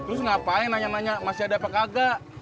terus ngapain nanya nanya masih ada apa kagak